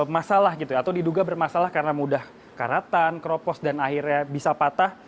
masalah gitu ya atau diduga bermasalah karena mudah karatan keropos dan akhirnya bisa patah